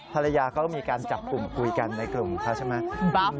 ภรรยาก็มีการจับกลุ่มคุยกันในกลุ่มเขาใช่ไหม